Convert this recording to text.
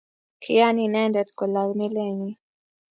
Kiiyan inendet kolaa milenyi